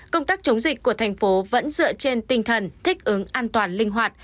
công tác chống dịch của thành phố vẫn dựa trên tinh thần thích ứng an toàn linh hoạt